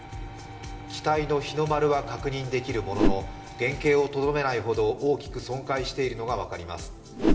機体の日の丸は確認できるものの原型をとどめないほど大きく損壊しているのが分かります。